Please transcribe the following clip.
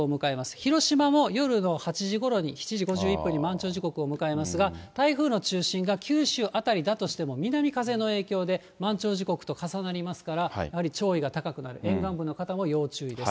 広島も夜の８時ごろに、７時５１分に満潮時刻を迎えますが、台風の中心が九州辺りだとしても、南風の影響で、満潮時刻と重なりますから、やはり潮位が高くなる、沿岸部の方も要注意です。